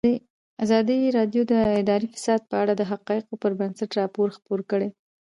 ازادي راډیو د اداري فساد په اړه د حقایقو پر بنسټ راپور خپور کړی.